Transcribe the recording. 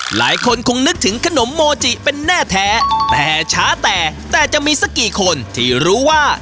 หลายคนคงนึกถึงขนมโมจิเป็นแน่แท้แต่ช้าแต่แต่จะมีสักกี่คนที่รู้ว่า